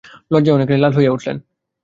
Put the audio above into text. লজ্জায় অনেকখানি লাল হয়ে উঠলেন।